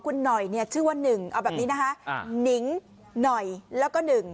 คุณหน่อยเนี่ยชื่อว่าหนึ่งเอาแบบนี้นะคะนิงหน่อยแล้วก็หนึ่ง